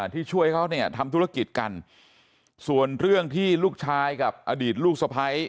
ที่ช่วยเขาเนี่ยทำธุรกิจกันส่วนเรื่องที่ลูกชายกับอดีตลูกสะพ้าย